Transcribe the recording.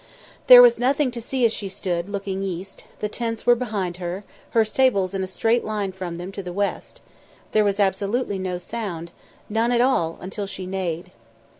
There was nothing to see as she stood, looking east; the tents were behind her, her stables in a straight line from them to the west; there was absolutely no sound, none at all until she neighed.